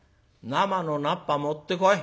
生の菜っぱ持ってこい。